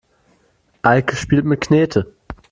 Eike spielt mit Knete.